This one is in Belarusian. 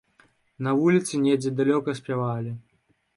На вуліцы недзе далёка спявалі.